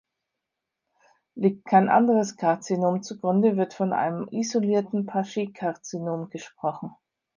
Liegt kein anderes Karzinom zugrunde, wird von einem isolierten Paget-Karzinom gesprochen.